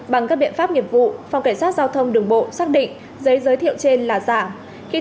bằng các biện pháp nghiệp vụ phòng cảnh sát giao thông đường bộ xác định giấy giới thiệu trên là giả